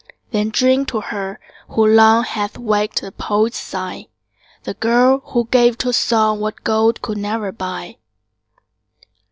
Then drink to her, who long Hath waked the poet's sigh, The girl, who gave to song What gold could never buy.